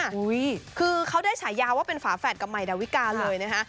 จะได้ฉาย้าวว่าเป็นฝาแฝดกับใหม่ดาวิกาเลยนะ